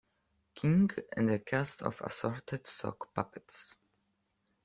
King and a cast of assorted sock puppets.